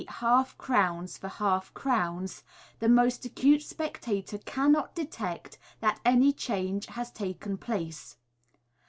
half crowns for half crowns — the most acute spectator cannot detect that any change has taken place.